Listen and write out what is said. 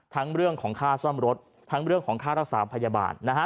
เรื่องของค่าซ่อมรถทั้งเรื่องของค่ารักษาพยาบาลนะฮะ